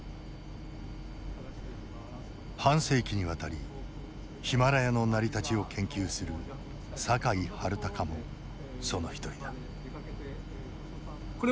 半世紀にわたりヒマラヤの成り立ちを研究する酒井治孝もその一人だ。